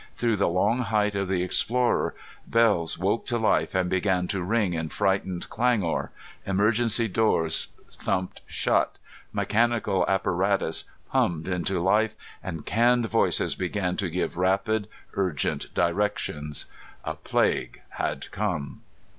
Through the long height of the Explorer, bells woke to life and began to ring in frightened clangor, emergency doors thumped shut, mechanical apparatus hummed into life and canned voices began to give rapid urgent directions. A plague had come.